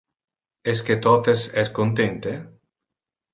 Esque totes es contente?